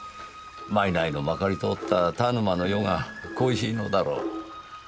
賄のまかり通った田沼の世が恋しいのだろう。